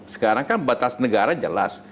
sekarang kan batas negara jelas